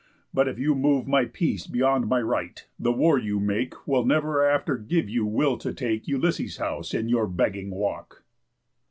But if you move My peace beyond my right, the war you make Will never after give you will to take Ulysses' house into your begging walk."